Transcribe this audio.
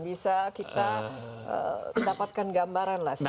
bisa kita dapatkan gambaran lah semacam